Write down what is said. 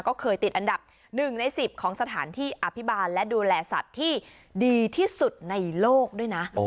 ก็เคยติดอันดับ๑ใน๑๐ของสถานที่อภิบาลและดูแลสัตว์ที่ดีที่สุดในโลกด้วยนะ